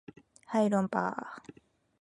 はい論破